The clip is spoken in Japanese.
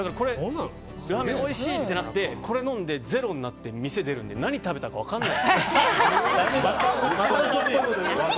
ラーメンおいしいってなってこれを飲んでゼロになって店を出るので何を食べたか分からない。